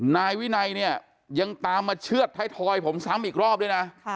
นายวินัยเนี่ยยังตามมาเชื่อดท้ายทอยผมซ้ำอีกรอบด้วยนะ